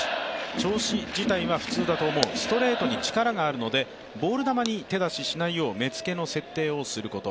調子自体は普通だと思う、ストレートに力があるのでボール球に手出ししないよう目つけの設定をすること。